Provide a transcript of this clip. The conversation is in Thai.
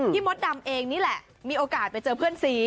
มดดำเองนี่แหละมีโอกาสไปเจอเพื่อนซี